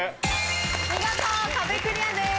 見事壁クリアです。